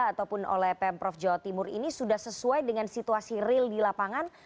ataupun oleh pemprov jawa timur ini sudah sesuai dengan situasi real di lapangan